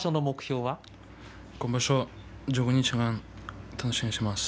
今場所、１５日間楽しみにしています。